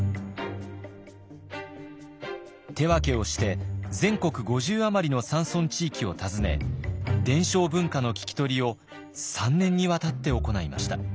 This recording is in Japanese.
手分けをして全国５０余りの山村地域を訪ね伝承文化の聞き取りを３年にわたって行いました。